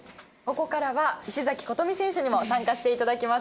ここからは石崎琴美選手にも参加していただきます。